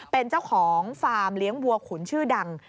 เป็นเจ้าของฟาร์มเลี้ยงวัวขุนชื่อดัง